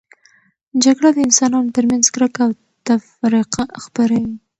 جګړه د انسانانو ترمنځ کرکه او تفرقه خپروي.